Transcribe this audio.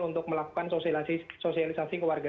untuk melakukan sosialisasi ke warga